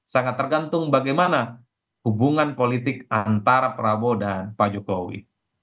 sangat tergantung bagaimana hubungan politik antara prabowo dan pak jokowi